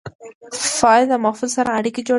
فاعل د مفعول سره اړیکه جوړوي.